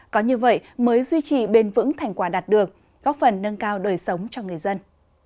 có như vậy mới duy trì bền vững thành quả đạt được góp phần nâng cao đời sống cho người dân